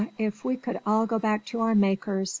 if we could all go back to our makers!"